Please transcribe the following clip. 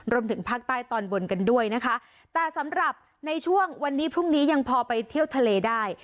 รวมถึงภาคใต้ตอนบนกันด้วยนะคะแต่สำหรับในช่วงวันนี้พรุ่งนี้ยังพอไปเที่ยวทะเลได้